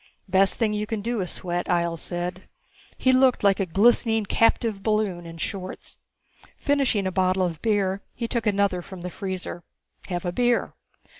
"Best thing you can do is sweat." Ihjel said. He looked like a glistening captive balloon in shorts. Finishing a bottle of beer, he took another from the freezer. "Have a beer."